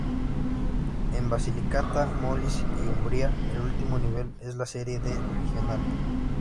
En Basilicata, Molise y Umbría el último nivel es la Serie D regionale.